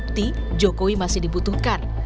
bukti jokowi masih dibutuhkan